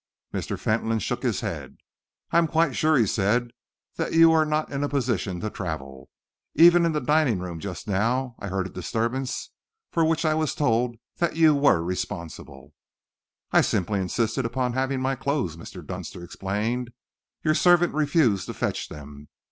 Mr. Fentolin shook his head. "I am quite sure," he said, "that you are not in a position to travel. Even in the dining room just now I heard a disturbance for which I was told that you were responsible." "I simply insisted upon having my clothes," Mr. Dunster explained. "Your servant refused to fetch them.